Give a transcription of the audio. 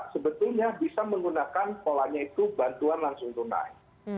sebetulnya bisa menggunakan polanya itu bantuan langsung tunai